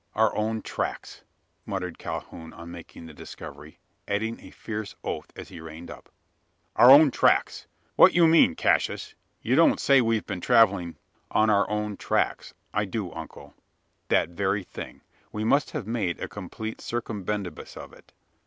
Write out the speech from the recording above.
"Our own tracks!" muttered Calhoun on making the discovery, adding a fierce oath as he reined up. "Our own tracks! What mean you, Cassius? You don't say we've been travelling " "On our own tracks. I do, uncle; that very thing. We must have made a complete circumbendibus of it.